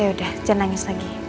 yaudah janangis lagi